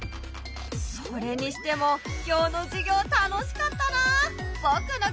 それにしても今日の授業楽しかったな！